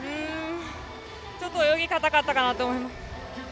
ちょっと泳ぎが硬かったかなと思います。